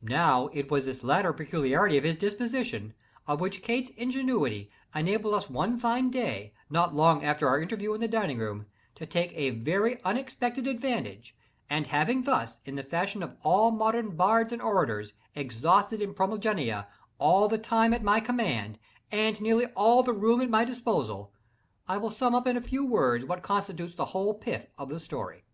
Now it was this latter peculiarity in his disposition, of which Kate's ingenuity enabled us one fine day, not long after our interview in the dining room, to take a very unexpected advantage, and, having thus, in the fashion of all modern bards and orators, exhausted in prolegomena, all the time at my command, and nearly all the room at my disposal, I will sum up in a few words what constitutes the whole pith of the story.